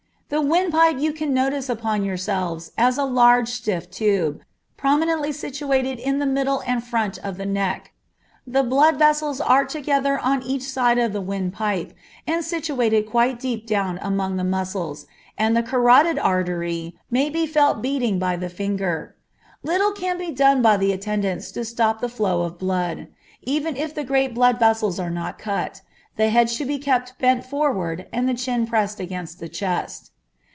The windpipe you can notice upon yourselves as a large, stiff tube, prominently situated in the middle and front of the neck; the blood vessels are together on each side of the windpipe, and situated quite deep down among the muscles, and the carotid artery may be felt beating by the finger. Little can be done by the attendants to stop the flow of blood, even if the great blood vessels are not cut. The head should be kept bent forward and the chin pressed against the chest.